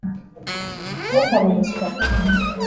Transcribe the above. ntukabe umuswa